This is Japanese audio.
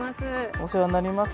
お世話になります。